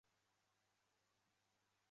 我无意再加入任何政党。